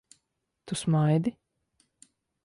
Tu smaidi?